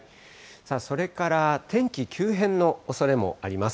さあそれから天気、急変のおそれもあります。